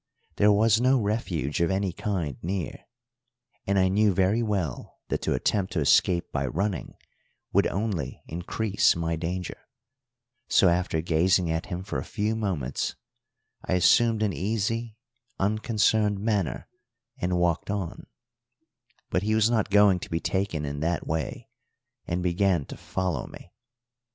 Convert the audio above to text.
There was no refuge of any kind near, and I knew very well that to attempt to escape by running would only increase my danger, so after gazing at him for a few moments I assumed an easy, unconcerned manner and walked on; but he was not going to be taken in that way, and began to follow me.